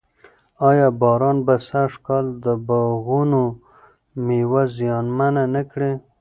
آیا باران به سږ کال د باغونو مېوه زیانمنه نه کړي؟